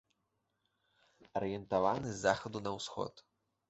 Арыентаваны з захаду на ўсход.